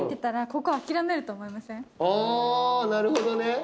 あなるほどね。